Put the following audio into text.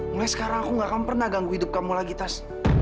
mulai sekarang aku gak akan pernah ganggu hidup kamu lagi tas